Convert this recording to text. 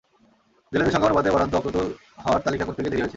জেলেদের সংখ্যা অনুপাতে বরাদ্দ অপ্রতুল হওয়ায় তালিকা করতে গিয়ে দেরি হয়েছে।